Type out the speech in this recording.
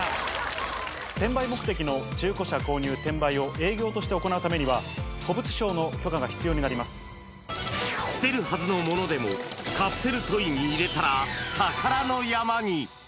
転売目的の中古車購入・転売を営業として行うためには、捨てるはずのものでも、カプセルトイに入れたら、宝の山に。